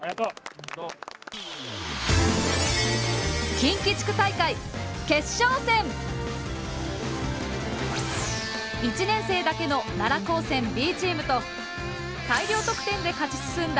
近畿地区大会１年生だけの奈良高専Ｂチームと大量得点で勝ち進んだ